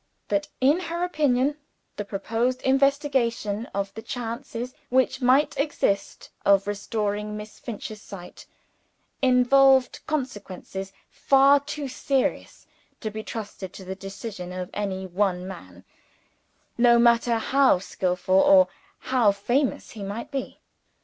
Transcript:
That in her opinion, the proposed investigation of the chances which might exist of restoring Miss Finch's sight, involved consequences far too serious to be trusted to the decision of any one man, no matter how skillful or how famous he might be.